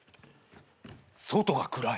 外が暗い。